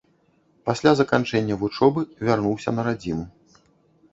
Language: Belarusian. Пасля заканчэння вучобы вярнуўся на радзіму.